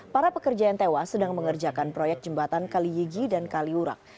para pekerja yang tewas sedang mengerjakan proyek jembatan kali yigi dan kali urak